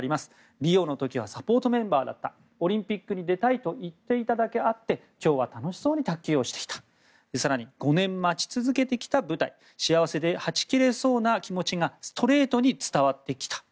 リオの時はサポートメンバーだったオリンピックに出たいと言っていただけあって今日は楽しそうに卓球をしていた更に５年待ち続けてきた舞台幸せではち切れそうな気持ちがストレートに伝わってきた。